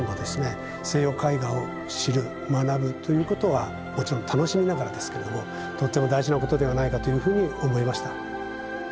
西洋絵画を知る学ぶということはもちろん楽しみながらですけれどもとっても大事なことではないかというふうに思いました。